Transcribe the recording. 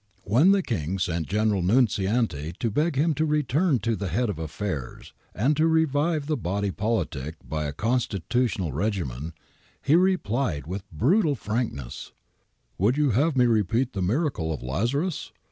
When the King sent General Nunziante to beg him to return to the head of affairs and to revive the body politic by a con stitutional regimen, he replied with brutal frankness :' Would you have me repeat the miracle of Lazarus